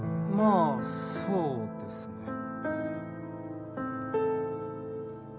まあそうですね。